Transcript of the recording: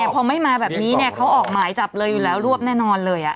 พอไม่มาแบบนี้เขาออกหมายจับเลยอยู่แล้วรวบแน่นอนเลย